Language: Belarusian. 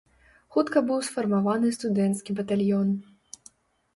Хутка быў сфармаваны студэнцкі батальён.